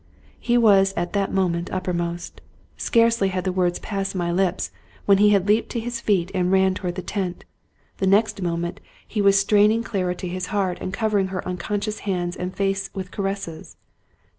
He was at that moment uppermost. Scarcely had the words passed my lips, when he had leaped to his feet and ran toward the tent; and the next moment, he was strain 207 Scotch Mystery Stories ing Clara to his heart and covering her unconscious hands and face with his caresses.